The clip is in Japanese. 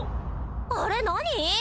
あれ何！？